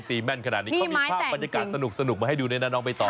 แม่นขนาดนี้เขามีภาพบรรยากาศสนุกมาให้ดูด้วยนะน้องไปต่อ